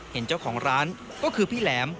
เห็นเจ้าของร้านก็คือพี่แหลม